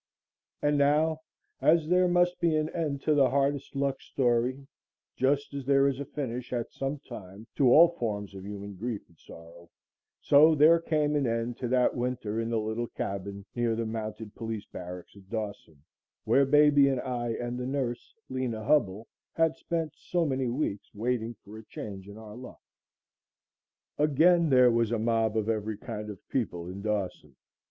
And now, as there must be an end to the hardest luck story just as there is a finish at some time to all forms of human grief and sorrow so there came an end to that winter in the little cabin near the mounted police barracks at Dawson, where baby and I and the nurse, Lena Hubbell, had spent so many weeks waiting for a change in our luck. Again there was a mob of every kind of people in Dawson.